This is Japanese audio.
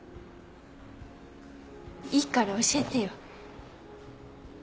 いいから教えてよ。